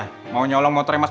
sungguh nyantai dong kak